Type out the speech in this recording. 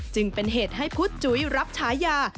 จึงเป็นเหตุให้พุทธจุ๋ยรับฉายา